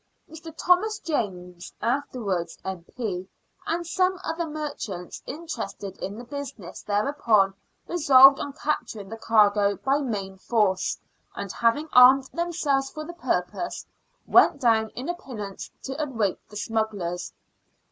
Mr. Thomas James (afterwards M.P.) and some other merchants interested in the business thereupon resolved on capturing the cargo by main force, and having armed themselves for the purpose, went down in a pinnace to await the smugglers.